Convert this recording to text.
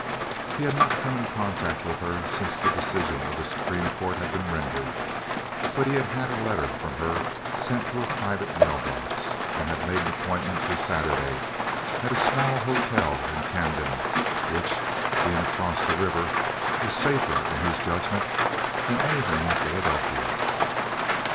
He had not come in contact with her since the decision of the Supreme Court had been rendered, but he had had a letter from her sent to a private mail box, and had made an appointment for Saturday at a small hotel in Camden, which, being across the river, was safer, in his judgment, than anything in Philadelphia.